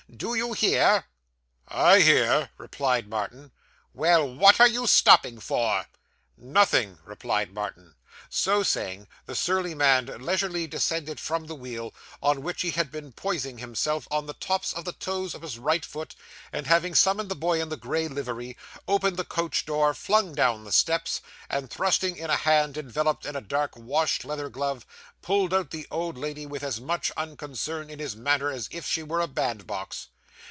Do you hear?' 'I hear,' replied Martin. 'Well; what are you stopping for?' 'Nothing,' replied Martin. So saying, the surly man leisurely descended from the wheel, on which he had been poising himself on the tops of the toes of his right foot, and having summoned the boy in the gray livery, opened the coach door, flung down the steps, and thrusting in a hand enveloped in a dark wash leather glove, pulled out the old lady with as much unconcern in his manner as if she were a bandbox.